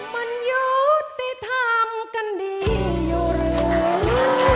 มันอยู่ที่ทางกันดีหรือ